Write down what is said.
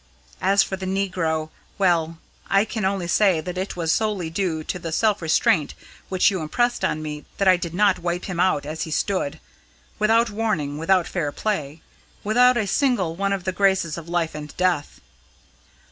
As for the negro well, I can only say that it was solely due to the self restraint which you impressed on me that I did not wipe him out as he stood without warning, without fair play without a single one of the graces of life and death.